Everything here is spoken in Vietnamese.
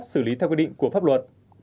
xử lý theo quyết định của pháp luật